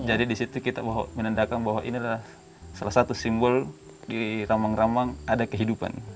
di situ kita menandakan bahwa ini adalah salah satu simbol di ramang ramang ada kehidupan